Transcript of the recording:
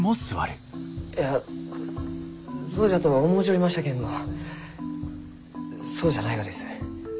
いやそうじゃとは思うちょりましたけんどそうじゃないがです。